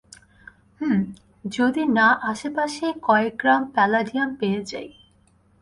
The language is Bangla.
হুম, যদি না আশেপাশেই কয়েক গ্রাম প্যালাডিয়াম পেয়ে যাই।